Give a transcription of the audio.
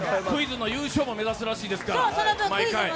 クイズの優勝も目指しているらしいですから。